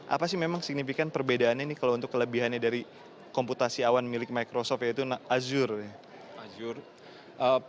apa sih memang signifikan perbedaannya nih kalau untuk kelebihannya dari komputasi awan milik microsoft yaitu azur